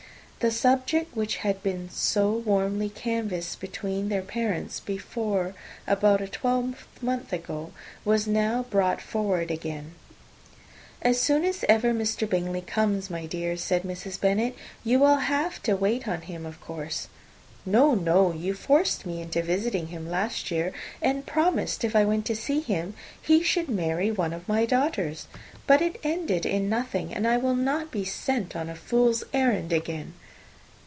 The subject which had been so warmly canvassed between their parents, about a twelvemonth ago, was now brought forward again. "As soon as ever Mr. Bingley comes, my dear," said Mrs. Bennet, "you will wait on him, of course." "No, no. You forced me into visiting him last year, and promised, if I went to see him, he should marry one of my daughters. But it ended in nothing, and I will not be sent on a fool's errand again."